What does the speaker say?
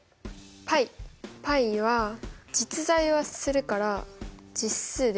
ππは実在はするから実数ではある。